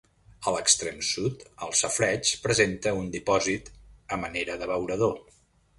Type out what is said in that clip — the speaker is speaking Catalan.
A l'extrem sud, el safareig presenta un dipòsit a manera d'abeurador.